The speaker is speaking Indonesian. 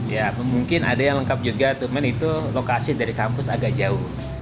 ya mungkin ada yang lengkap juga cuman itu lokasi dari kampus agak jauh